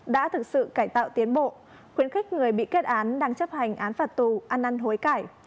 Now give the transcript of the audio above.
đã thực sự cải tạo tiến bộ khuyến khích người bị kết án đang chấp hành án phạt tù ăn ăn hối cãi